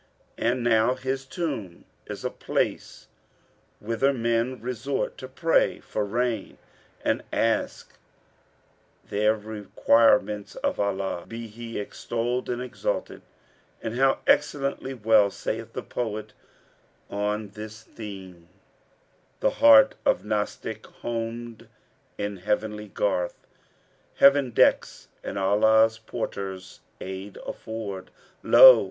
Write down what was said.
And now his tomb is a place whither men resort to pray for rain and ask their requirements of Allah (be He extolled and exalted!); and how excellently well saith the poet on this theme, 'The heart of Gnostic[FN#472] homed in heavenly Garth * Heaven decks, and Allah's porters aid afford. Lo!